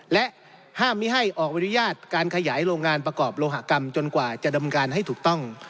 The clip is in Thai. และห้ามไม่ให้ออกอนุญาตการขยายโรงงานประกอบโลหกรรมจนกว่าจะดำเนินการให้ถูกต้อง